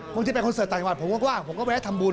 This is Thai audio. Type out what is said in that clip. ตอนที่ไปคอนเสิร์ตต่างมาบากว่าผมก็ได้ทำบุญ